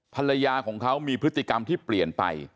ภรรยาของเขามีพฤติกรรมที่เปลี่ยนไป